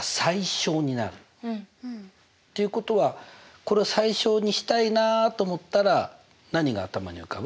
ということはこれを最小にしたいなと思ったら何が頭に浮かぶ？